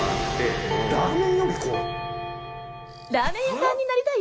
ラーメン屋さんになりたい？